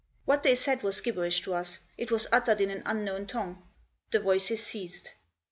What they said was gibberish to us ; it was uttered in an unknown tongue. The voices ceased.